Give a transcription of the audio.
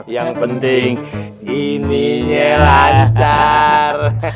yang penting ininya lancar